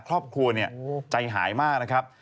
ครอบครัวใจหายมากนะครับ